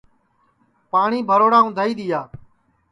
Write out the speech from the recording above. پاٹؔی بھروڑا اُندھائی دؔیا